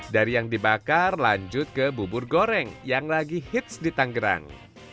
dari yang dibakar lanjut ke bubur goreng yang lagi hits di tanggerang